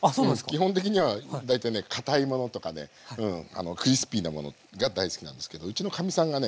基本的には大体ねかたいものとかねクリスピーなものが大好きなんですけどうちのかみさんがね